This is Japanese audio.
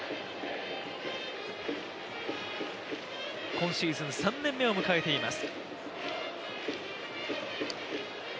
今シーズン３年目を迎えています。